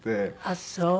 あっそう。